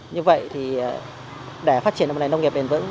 như vậy để phát triển một nền nông nghiệp bền vững